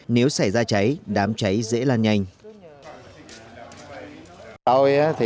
nếu xảy ra cháy đám cháy dễ lan nhanh